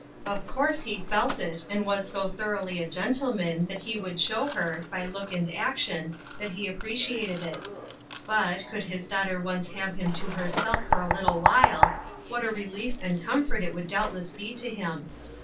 Of course he felt it, and wa» «^ I « Through a Glass, Darkly:' 221 thoroughly a gentleman that he would show her, by look and action, that he appreciated it ; but, could his daughter once have him to herself for a little while, what a relief and comfort it would doubtless be to him.